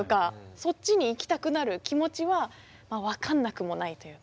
そっちに行きたくなる気持ちは分かんなくもないというか。